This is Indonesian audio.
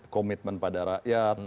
komitmen pada rakyat